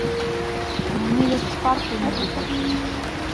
Мяне ледзь з партыі не выключылі.